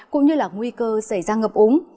cũng như là nguy cơ xảy ra ngập úng